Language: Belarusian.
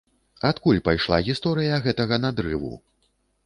Адкуль пайшла гісторыя гэтага надрыву?